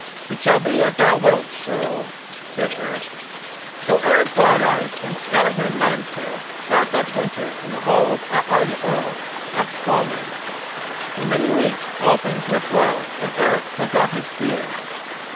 "It shall be as thou wilt, Earl," said Eric. So Eric Brighteyes and Skallagrim Lambstail sat that winter in the hall of Atli the Earl at Straumey. For many weeks all things went well and Eric forgot his fears.